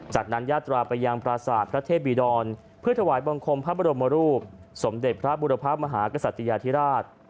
จากนั้นญาตราไปยังปราศาสตร์พระเทพีดรเพื่อถวายบังคมพระบรมรูปสมเด็จพระบุรพมหากษัตยาธิราช